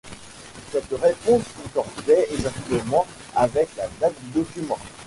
Cette réponse concordait exactement avec la date du document.